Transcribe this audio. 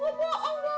nari dong gue panjang